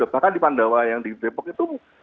bahkan di pandawa yang di depok itu